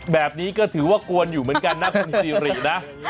แบบนี้ก็ถือว่ากวนอยู่เหมือนกันนะคุณซีรินะ